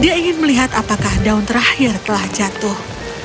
dia ingin melihat apakah daun terakhir telah jatuh